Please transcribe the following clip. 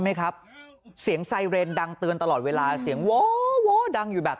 ไหมครับเสียงไซเรนดังเตือนตลอดเวลาเสียงโว้โว้ดังอยู่แบบ